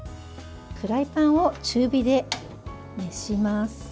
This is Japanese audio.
フライパンを中火で熱します。